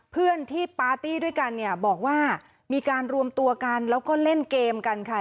เพื่อนที่ปาร์ตี้ด้วยกันเนี่ยบอกว่ามีการรวมตัวกันแล้วก็เล่นเกมกันค่ะ